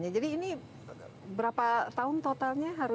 ini berapa tahun totalnya